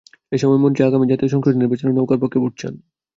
এ সময় মন্ত্রী আগামী জাতীয় সংসদ নির্বাচনে নৌকার পক্ষে ভোট চান।